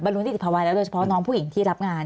รู้นิติภาวะแล้วโดยเฉพาะน้องผู้หญิงที่รับงาน